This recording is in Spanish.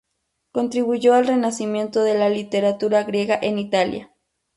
Contribuyó al renacimiento de la literatura griega en Italia.